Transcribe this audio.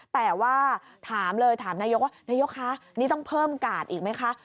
แต่ว่าถามเลยถามนายกว่านายกคะนี่ต้องเพิ่มกาดอีกไหมคะ